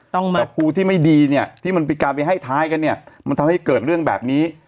แต่ครูที่ไม่ดีเนี่ยที่มันมีการไปให้ท้ายกันเนี่ยมันทำให้เกิดเรื่องแบบนี้